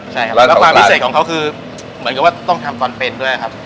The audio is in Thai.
ใช่ครับแล้วความพิเศษของเขาคือเหมือนกับว่าต้องทำความเป็นด้วยครับ